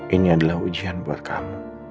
ini adalah ujian buat kamu